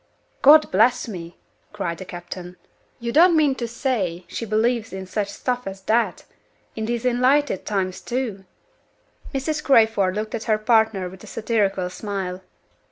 "God bless me!" cried the captain, "you don't mean to say she believes in such stuff as that? In these enlightened times too!" Mrs. Crayford looked at her partner with a satirical smile.